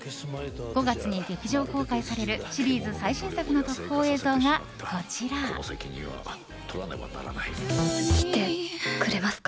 ５月に劇場公開されるシリーズ最新作の来てくれますか？